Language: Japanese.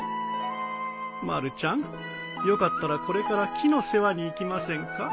まるちゃんよかったらこれから木の世話に行きませんか？